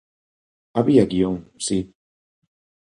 Había guión, si.